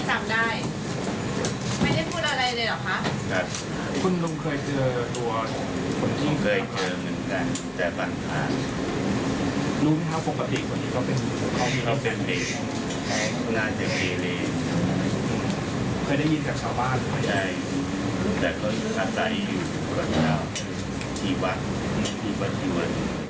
แต่ควรตัดใจกับรับทราบดีกว่า